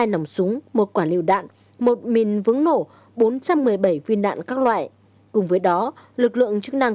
hai nòng súng một quả lựu đạn một mìn vững nổ bốn trăm một mươi bảy viên đạn các loại cùng với đó lực lượng chức năng